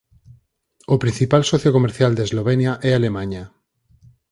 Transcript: O principal socio comercial de Eslovenia é Alemaña.